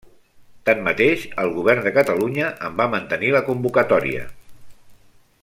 Tanmateix, el Govern de Catalunya en va mantenir la convocatòria.